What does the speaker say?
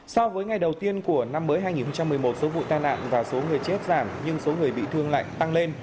so với ngày đầu tiên của năm mới hai nghìn một mươi một số vụ tai nạn và số người chết giảm nhưng số người bị thương lại tăng lên